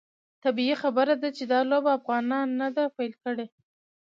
طبیعي خبره ده چې دا لوبه افغانانو نه ده پیل کړې.